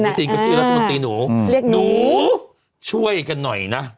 คุณอาทิตย์ก็ชื่อแล้วคุณอาทิตย์หนูเรียกหนูหนูช่วยกันหน่อยนะ